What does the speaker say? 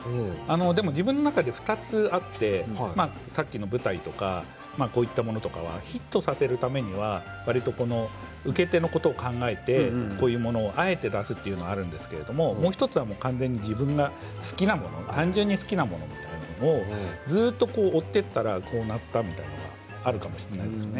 自分の中で２つあってさっきの舞台とかこういったものとかはヒットさせるためにはわりと受け手のことを考えてこういうものをあえて出すというのはあるんですけれどもう１つは完全に自分の好きなものを単純に好きなものをずっと追っていったらこうなったみたいなのがあるかもしれないですね。